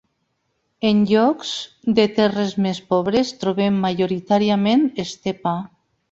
En llocs de terres més pobres trobem majoritàriament estepa.